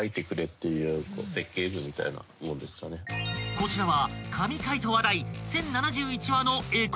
［こちらは］